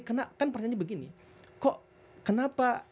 kan pernyanya begini kok kenapa